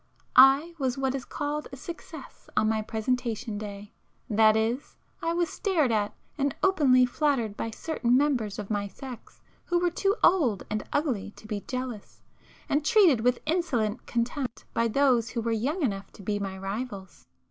I was what is called a 'success' on my presentation day. That is, I was stared at, and openly flattered by certain members of my sex who were too old and [p 410] ugly to be jealous, and treated with insolent contempt by those who were young enough to be my rivals.